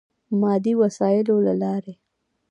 مادي وسایلو له لارې.